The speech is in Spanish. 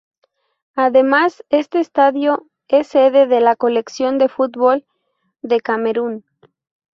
Además este estadio es sede de la Selección de fútbol de Camerún.